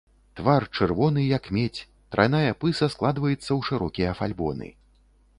Твар чырвоны, як медзь, трайная пыса складваецца ў шырокія фальбоны.